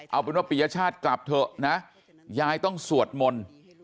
เอาเป็นว่าปียชาติกลับเถอะนะยายต้องสวดมนต์